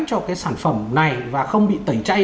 cho cái sản phẩm này và không bị tẩy chay